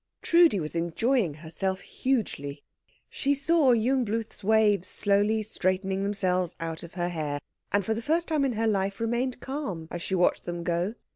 Trudi was enjoying herself hugely. She saw Jungbluth's waves slowly straightening themselves out of her hair, and for the first time in her life remained calm as she watched them go.